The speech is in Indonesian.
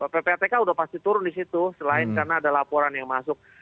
ppatk sudah pasti turun di situ selain karena ada laporan yang masuk